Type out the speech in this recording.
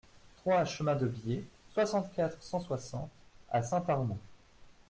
trois chemin de Bié, soixante-quatre, cent soixante à Saint-Armou